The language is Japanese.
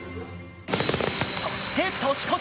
そして年越し。